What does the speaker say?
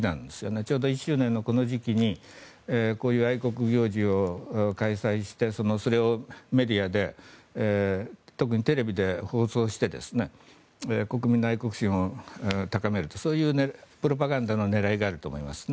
ちょうど１周年のこの時期にこういう愛国行事を開催してそれをメディアで特にテレビで放送して国民の愛国心を高めるというそういうプロパガンダの狙いがあると思いますね。